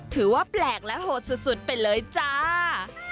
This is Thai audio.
ถือว่าแปลกและโหดสุดไปเลยจ้า